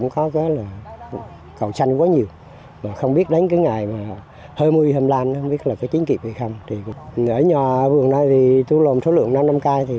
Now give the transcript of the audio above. còn cũng có cái là